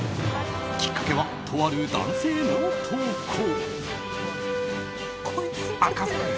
きっかけは、とある男性の投稿。